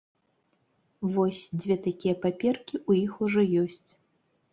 Вось, дзве такія паперкі ў іх ужо ёсць.